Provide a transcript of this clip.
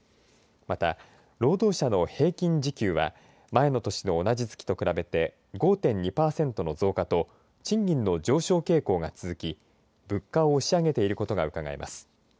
また、労働者の平均時給は前の年の同じ月と比べて５．２パーセントの増加と賃金の上昇傾向が続き物価を押し上げていることがうかがえます。